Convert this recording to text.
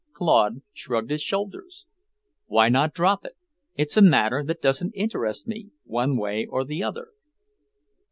Claude shrugged his shoulders. "Why not drop it? It's a matter that doesn't interest me, one way or the other."